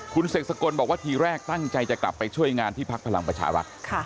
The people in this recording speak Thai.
คุณเสกสกลบอกว่าทีแรกตั้งใจจะกลับไปช่วยงานที่พักพลังประชารัฐ